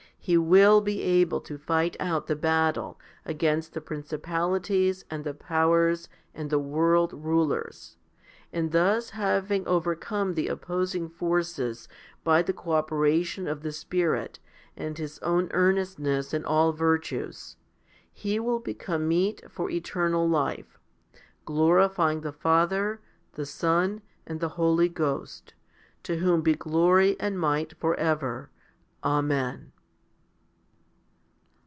he will be able to fight out the battle against the princi palities and the powers, and the world rulers; and thus having overcome the opposing forces by the co operation of the Spirit and his own earnestness in all virtues, he will become meet for eternal life, glorifying the Father, the Son, and the Holy Ghost ; to whom be glory and might for ever. Amen.